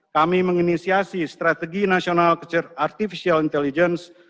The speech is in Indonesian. kami menginisiasi strategi nasional artificial intelligence